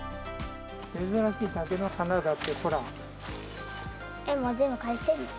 珍しい竹の花だって、ほら。えっ？